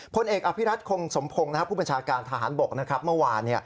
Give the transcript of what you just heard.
พลเอกอภิรัตคงสมพงศ์ผู้บัญชาการทหารบกเมื่อวาน